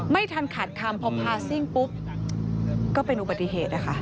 ไม่ทันขาดคำพอพาซิ่งปุ๊บก็เป็นอุบัติเหตุนะคะ